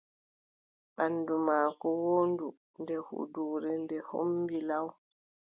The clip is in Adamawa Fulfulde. Banndu maako woondu, nde huuduure ndee hommbi law.